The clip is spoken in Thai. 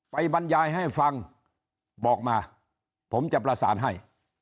บรรยายให้ฟังบอกมาผมจะประสานให้